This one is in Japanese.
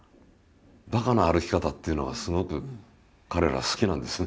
バカな歩き方っていうのはすごく彼ら好きなんですね。